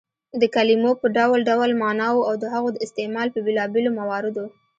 د کلیمو په ډول ډول ماناوو او د هغو د استعمال په بېلابيلو مواردو